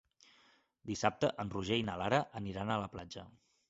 Dissabte en Roger i na Lara aniran a la platja.